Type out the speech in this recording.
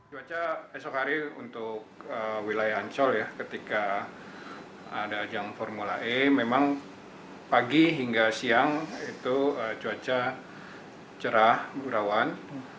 cuaca esok hari untuk wilayah ancol ya ketika ada ajang formula e memang pagi hingga siang itu cuaca cerah berawan